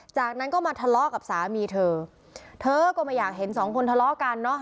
จากนั้นก็มาทะเลาะกับสามีเธอเธอก็ไม่อยากเห็นสองคนทะเลาะกันเนอะ